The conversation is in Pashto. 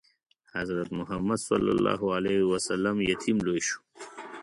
حضرت محمد ﷺ یتیم لوی شو.